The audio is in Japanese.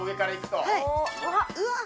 うわっ！